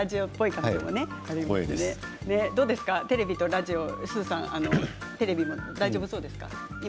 テレビとラジオスーさん、テレビも大丈夫そうですか？